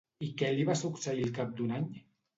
I què li va succeir al cap d'un any?